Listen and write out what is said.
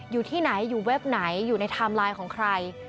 อยู่ที่ไหนอยู่เว็บไหนอยู่ในไทม์ไลน์ของใคร